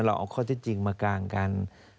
เราเอาข้อที่จริงมากางกัน